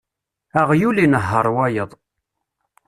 Aɣyul inehheṛ wayeḍ.